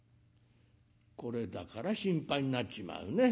「これだから心配になっちまうね。